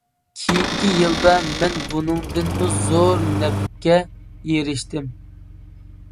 كېيىنكى يىلدا، مەن بۇنىڭدىنمۇ زور نەپكە ئېرىشتىم.